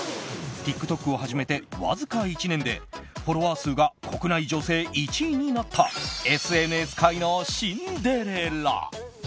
ＴｉｋＴｏｋを始めてわずか１年でフォロワー数が国内女性１位になったＳＮＳ界のシンデレラ。